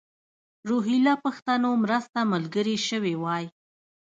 روهیله پښتنو مرسته ملګرې شوې وای.